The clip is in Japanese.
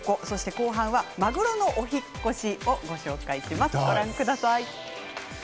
後半は、まぐろのお引っ越しをご紹介します。